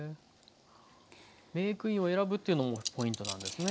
メークインを選ぶっていうのもポイントなんですね。